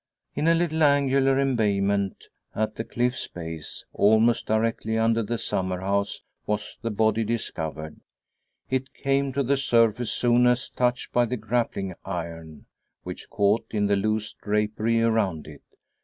In a little angular embayment at the cliff's base, almost directly under the summer house was the body discovered. It came to the surface soon as touched by the grappling iron, which caught in the loose drapery around it.